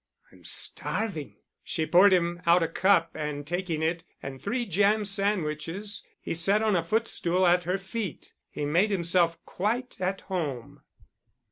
"I'm starving." She poured him out a cup, and taking it and three jam sandwiches, he sat on a footstool at her feet. He made himself quite at home.